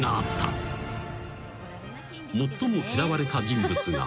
［最も嫌われた人物が］